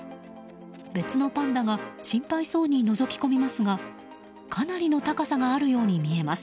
別のパンダが心配そうにのぞき込みますがかなりの高さがあるように見えます。